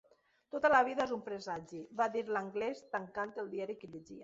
"Tot a la vida és un presagi" va dir l'anglès tancant el diari que llegia.